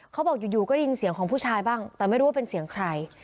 เขาบอกอยู่ก็ได้ยินเสียงของผู้ชายบ้างแต่ไม่รู้ว่าเป็นเสียงใคร